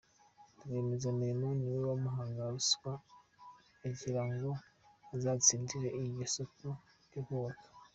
Rwiyemezamirimo niwe wamuhaga ruswa agira ngo azatsindire iryo soko ryo kubaka.